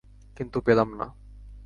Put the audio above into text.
কিন্তু, পেলাম না।